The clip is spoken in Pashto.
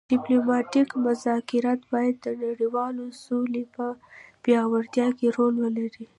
ډیپلوماتیک مذاکرات باید د نړیوالې سولې په پیاوړتیا کې رول ولري